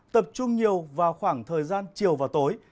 tập trung nhiều vào khoảng thời gian chiều và tối